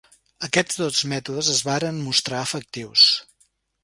Aquests dos mètodes es varen mostrar efectius.